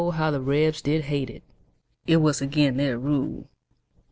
how the Rebs did hate it, It was agin' their rule.